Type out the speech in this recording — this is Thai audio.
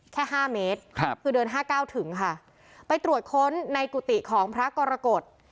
แค่ห้าเมตรครับคือเดินห้าเก้าถึงค่ะไปตรวจค้นในกุฏิของพระกรกฎ